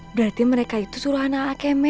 berarti mereka itu suruhannya al kemet